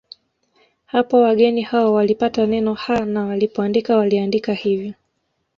Hapo wageni hao walipata neno Ha na walipoandika waliaandika hivyo